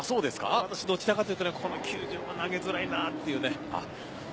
私どちらかというとこの球場は投げづらいなという。